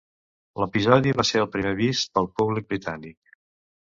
L'episodi va ser el primer vist pel públic britànic.